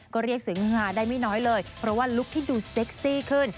ก็เรียกเสียงฮาได้ไม่น้อยเลยเพราะว่าลุคที่ดูเซ็กซี่ขึ้น